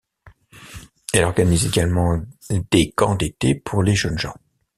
Elle organise également des camps d'été pour les jeunes gens.